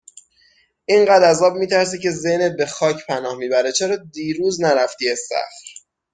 اینقدر از آب میترسی که ذهنت به خاک پناه میبره چرا دیروز نرفتی استخر؟